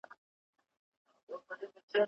¬ چي مور ميره سي، پلار پلندر سي.